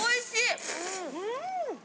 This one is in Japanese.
うん！